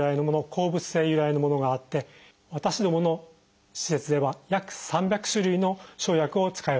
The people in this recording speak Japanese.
鉱物性由来のものがあって私どもの施設では約３００種類の生薬を使い分けております。